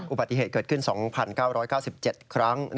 อุบัติเหตุเกิดขึ้น๒๙๙๗ครั้ง